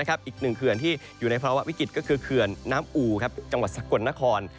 อีกหนึ่งเขื่อนที่อยู่ในภาวะวิกฤตก็คือเขื่อนน้ำอู่จังหวัดศักดิ์กลณคร